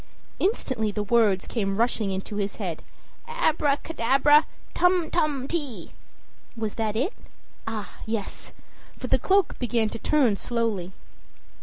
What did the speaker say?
Instantly the words came rushing into his head "Abracadabra, tum tum ti!" Was that it? Ah! yes for the cloak began to turn slowly.